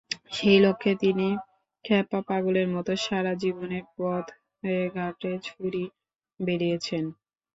সেই লক্ষ্যে তিনি খ্যাপা পাগলের মতো সারা জীবন পথে-ঘাটে ছুটে বেড়িয়েছেন।